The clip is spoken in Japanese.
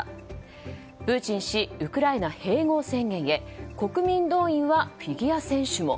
プーチン氏ウクライナ併合宣言へ国民動員はフィギュア選手も。